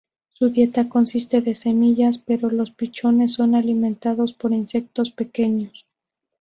Su dieta consiste de semillas, pero los pichones son alimentados con insectos pequeños.